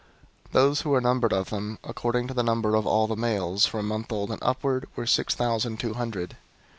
003:034 Those who were numbered of them, according to the number of all the males, from a month old and upward, were six thousand two hundred.